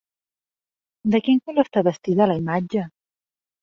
De quin color està vestida la imatge?